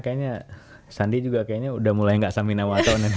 kayaknya sandi juga kayaknya udah mulai gak samina wattona nih